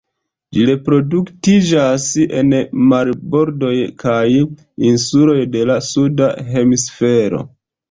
Ĝi reproduktiĝas en marbordoj kaj insuloj de la suda hemisfero.